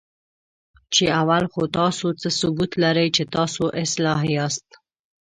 چې اول خو تاسو څه ثبوت لرئ، چې تاسو اصلاح یاست؟